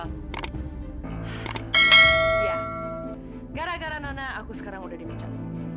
iya gara gara nona aku sekarang udah dipecat